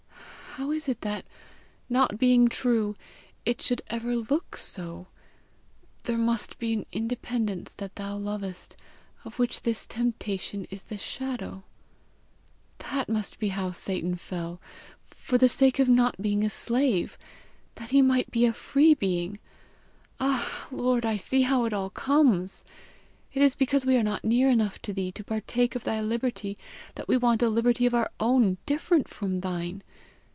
How is it that, not being true, it should ever look so? There must be an independence that thou lovest, of which this temptation is the shadow! That must be how 'Satan fell! for the sake of not being a slave! that he might be a free being! Ah, Lord, I see how it all comes! It is because we are not near enough to thee to partake of thy liberty that we want a liberty of our own different from thine!